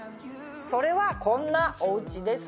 それはこんなお家です。